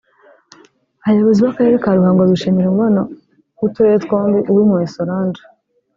Abayobozi b’Akarere ka Ruhango bishimira umubano w’uturere twombi Uwimpuhwe Solange